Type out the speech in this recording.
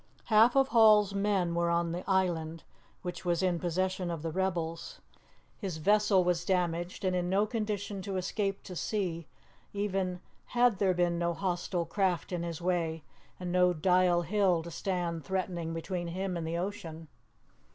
Half of Hall's men were on the island, which was in possession of the rebels, his vessel was damaged and in no condition to escape to sea, even had there been no hostile craft in his way and no Dial Hill to stand threatening between him and the ocean.